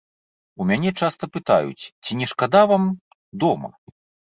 У мяне часта пытаюць, ці не шкада вам дома?